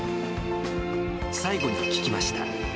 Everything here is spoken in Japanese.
最後に聞きました。